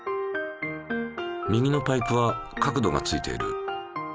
右のパイプは角度がついている。